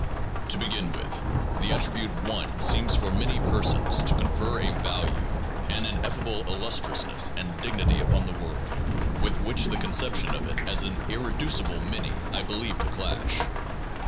To begin with, the attribute one 5 seems for many persons to confer a value, an ineffable The illustriousness and dignity upon the monistic theory world, with which the conception of it as an irreducible many is believed to clash.